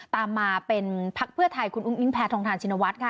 ตามมาเป็นพักเพื่อไทยคุณอุ้งอิงแพทองทานชินวัฒน์ค่ะ